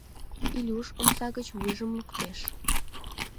Илюш омса гыч вуйжым луктеш.